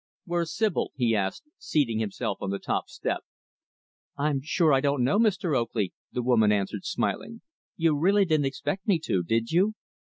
"Where's Sibyl?" he asked, seating himself on the top step. "I'm sure I don't know, Mr. Oakley," the woman answered, smiling. "You really didn't expect me to, did you?"